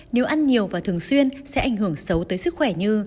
nếu ăn nhiều và thường xuyên sẽ ảnh hưởng xấu tới sức khỏe như